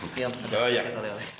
kiam ada sakit oleh oleh